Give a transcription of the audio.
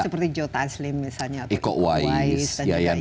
seperti joe taslim misalnya atau iko uwais